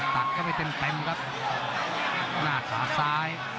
ตักเข้าไปเต็มกับหน้าขาซ้าย